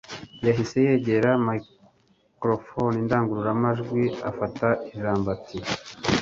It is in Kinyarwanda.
Yahise yegera microphoneindangururamajwi afata ijambo ati